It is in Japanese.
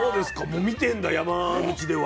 もう見てんだ山口では。